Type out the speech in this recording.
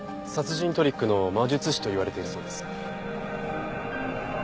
殺人トリックの魔術師といわれているそうです。